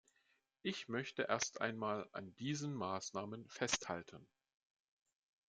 Ich möchte erst einmal an diesen Maßnahmen festhalten.